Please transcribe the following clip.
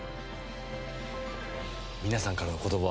皆さんからの言葉。